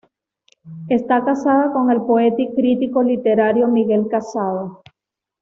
Esta casada con el poeta y crítico literario Miguel Casado.